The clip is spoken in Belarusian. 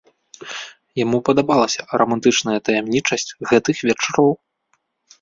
Яму падабалася рамантычная таямнічасць гэтых вечароў.